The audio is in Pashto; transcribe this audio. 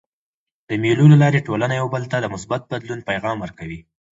د مېلو له لاري ټولنه یو بل ته د مثبت بدلون پیغام ورکوي.